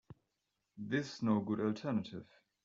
This no good alternative.